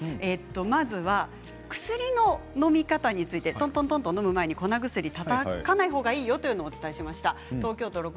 まずは薬ののみ方についてとんとんとんとのむ前に粉薬をたたかないほうがいいよということもお伝えしました。